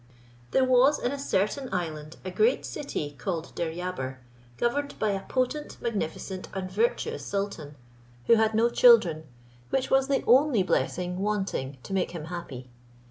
There was in a certain island a great city called Deryabar, governed by a potent, magnificent, and virtuous sultan, who had no children, which was the only blessing wanting to make him happy.